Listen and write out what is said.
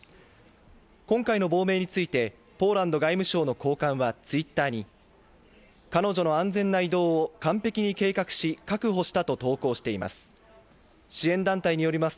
今回の亡命についてポーランド外務省の高官はＴｗｉｔｔｅｒに、彼女の安全な移動を完璧に計画し確保したと投稿しています。